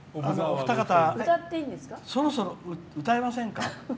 お二方そろそろ歌いませんか？